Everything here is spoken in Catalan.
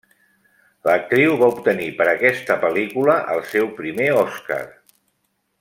L'actriu va obtenir per aquesta pel·lícula el seu primer Oscar.